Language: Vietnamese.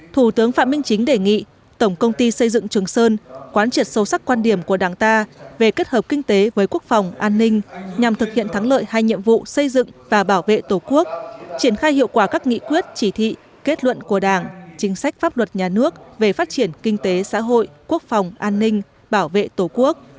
thủ tướng phạm minh chính đề nghị tổng công ty xây dựng trường sơn quán triệt sâu sắc quan điểm của đảng ta về kết hợp kinh tế với quốc phòng an ninh nhằm thực hiện thắng lợi hai nhiệm vụ xây dựng và bảo vệ tổ quốc triển khai hiệu quả các nghị quyết chỉ thị kết luận của đảng chính sách pháp luật nhà nước về phát triển kinh tế xã hội quốc phòng an ninh bảo vệ tổ quốc